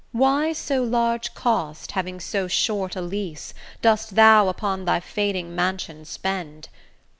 Why so large cost, having so short a lease, Dost thou upon thy fading mansion spend?